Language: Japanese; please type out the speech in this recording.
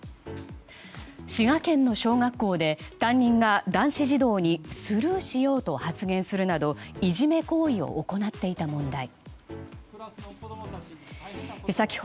滋賀県の小学校で担任が男子児童にスルーしようと発言するなどいじめ行為を行っていた問題。